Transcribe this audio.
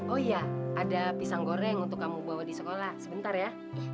oh iya ada pisang goreng untuk kamu bawa di sekolah sebentar ya